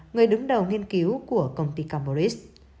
người đứng đầu nghiên cứu của công ty camporet